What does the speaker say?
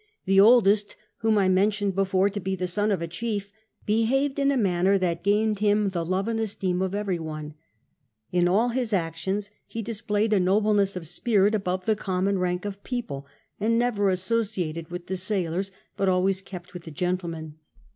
The ohh'st, whom I mentioned before to be the son of a chief, behaved in a manner that gained him the love and esteem of every one ; in all bis actions he dis])layed a noble ness of s^nrit above the common rank of pcojde, ami never associated with the sailors, but always kept with the gentle men.